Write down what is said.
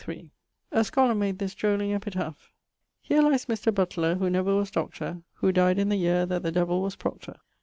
A scholar made this drolling epitaph: Here lies Mr. Butler who never was Doctor, Who dyed in the yeare that the Devill was Proctor[BP].